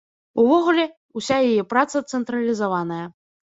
Увогуле, уся яе праца цэнтралізаваная.